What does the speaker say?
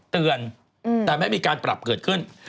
เตือนแต่ไม่มีการปรับเกิดขึ้น